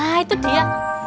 wah itu dia